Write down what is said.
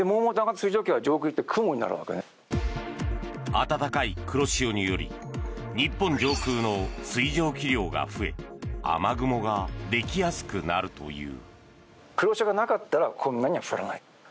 暖かい黒潮により日本上空の水蒸気量が増え雨雲ができやすくなるという。